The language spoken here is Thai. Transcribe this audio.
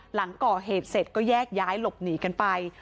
หลังก่อเหตุเสร็จก็แยกย้ายหลบหนีกันไป